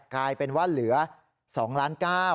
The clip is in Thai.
กลายเป็นว่าเหลือ๒ล้าน๙